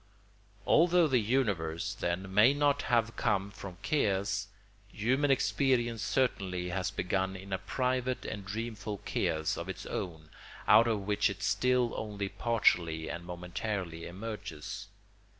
Although the universe, then, may not have come from chaos, human experience certainly has begun in a private and dreamful chaos of its own, out of which it still only partially and momentarily emerges.